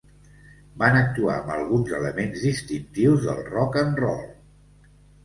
Van actuar amb alguns elements distintius del rock and roll.